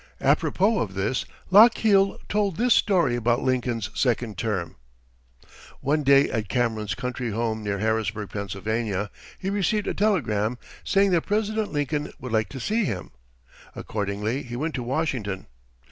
Apropos of this Lochiel told this story about Lincoln's second term: One day at Cameron's country home near Harrisburg, Pennsylvania, he received a telegram saying that President Lincoln would like to see him. Accordingly he went to Washington.